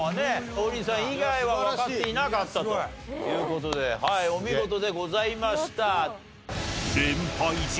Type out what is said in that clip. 王林さん以外はわかっていなかったという事でお見事でございました。